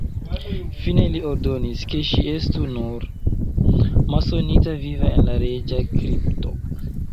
Fine li ordonis, ke ŝi estu "nur" masonita viva en la reĝa kripto.